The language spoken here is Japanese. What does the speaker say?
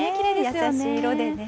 優しい色でね。